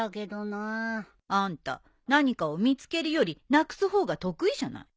あんた何かを見つけるよりなくす方が得意じゃない。